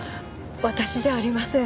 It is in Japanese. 私じゃありません。